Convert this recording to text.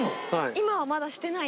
今はまだしてない？